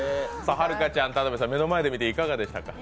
はるかちゃん、田辺さん、目の前で見ていかがでしたか？